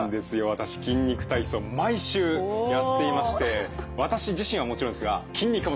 私「筋肉体操」毎週やっていまして私自身はもちろんですが筋肉も大変興奮してます。